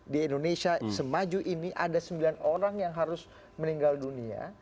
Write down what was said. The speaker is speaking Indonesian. di indonesia semaju ini ada sembilan orang yang harus meninggal dunia